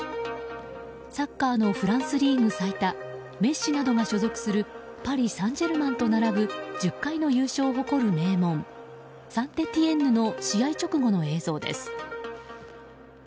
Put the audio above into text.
サッカーのフランスリーグ最多メッシなどが所属するパリ・サンジェルマンと並ぶ１０回の優勝を誇る名門サンテティエンヌの試合直後の映像です。